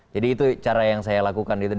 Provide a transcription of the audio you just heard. jadi itu cara yang saya lakukan